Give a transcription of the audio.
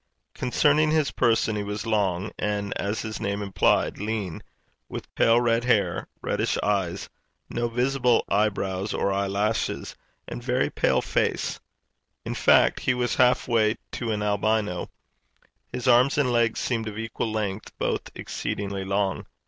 Concerning his person, he was long, and, as his name implied, lean, with pale red hair, reddish eyes, no visible eyebrows or eyelashes, and very pale face in fact, he was half way to an Albino. His arms and legs seemed of equal length, both exceedingly long.